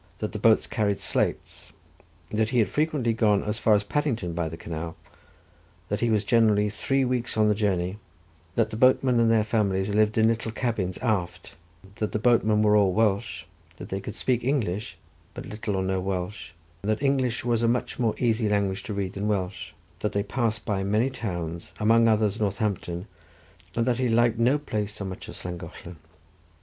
That the boats carried slates—that he had frequently gone as far as Paddington by the canal—that he was generally three weeks on the journey—that the boatmen and their families lived in the little cabins aft—that the boatmen were all Welsh—that they could read English, but little or no Welsh—that English was a much more easy language to read than Welsh—that they passed by many towns, among others Northampton, and that he liked no place so much as Llangollen.